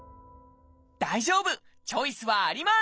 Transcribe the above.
大丈夫チョイスはあります！